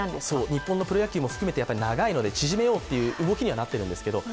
日本のプロ野球も含めて長いので、縮めようっていう動きにはなってるんですけど。